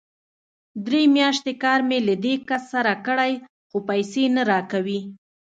درې مياشتې کار مې له دې کس سره کړی، خو پيسې نه راکوي!